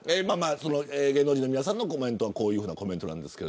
芸能人の皆さんはこういうコメントですが。